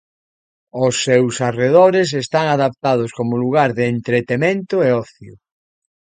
Os seus arredores están adaptados como lugar de entretemento e ocio.